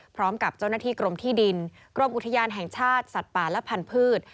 พร้อมกับเจ้าหน้าที่กรมที่ดินกรมอุทยานแห่งชาติสัตว์ป่าและพันธุ์